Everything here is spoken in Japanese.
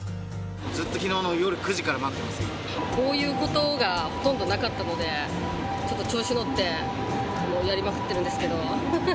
ずっときのうの夜９時から待こういうことがほとんどなかったので、ちょっと調子乗って、もうやりまくってるんですけど。